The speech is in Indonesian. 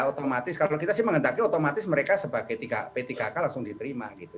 otomatis kalau kita sih mengendaki otomatis mereka sebagai p tiga k langsung diterima gitu